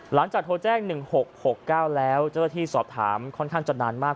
หลังจากโทรแจ้ง๑๖๖๙แล้วเจ้าหน้าที่สอบถามค่อนข้างจะนานมาก